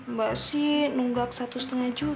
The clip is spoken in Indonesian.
mbak sih nunggak satu lima juta